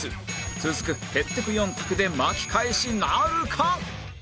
続くへってく４択で巻き返しなるか？